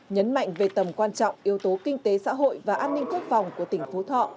nhấn mạnh về tầm quan trọng yếu tố kinh tế xã hội và an ninh quốc phòng của tỉnh phú thọ